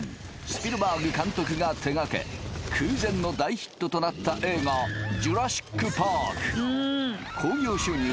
スピルバーグ監督が手掛け空前の大ヒットとなった映画「ジュラシック・パーク」興行収入